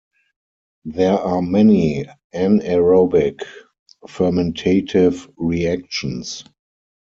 There are many anaerobic fermentative reactions.